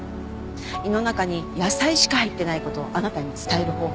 胃の中に野菜しか入ってない事をあなたに伝える方法。